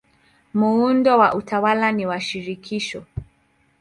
Muundo wa utawala ni wa shirikisho.